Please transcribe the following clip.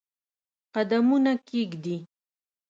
قدمونه کښېږدي